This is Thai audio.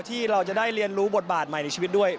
ที่เราจะได้เรียนรู้บทบาทใหม่ในชีวิตด้วย